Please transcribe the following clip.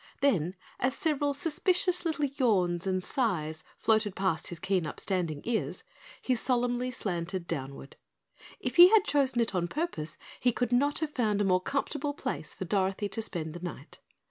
Then, as several suspicious little yawns and sighs floated past his keen upstanding ears, he solemnly slanted downward. If he had chosen it on purpose he could not have found a more comfortable place for Dorothy to spend the night.